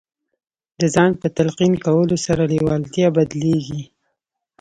د ځان په تلقین کولو سره لېوالتیا بدلېږي